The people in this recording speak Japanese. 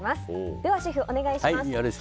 では、シェフお願いします。